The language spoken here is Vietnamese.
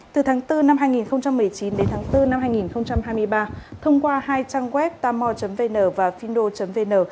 từ tháng bốn năm hai nghìn một mươi chín đến tháng bốn năm hai nghìn hai mươi ba thông qua hai trang web tamo vn và findo vn